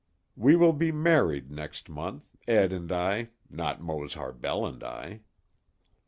We will be married next month, Ed and I, not Mose Harbell and I!